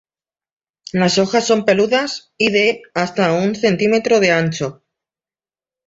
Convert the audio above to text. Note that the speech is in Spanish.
Las hojas son peludas y de hasta un centímetro de ancho.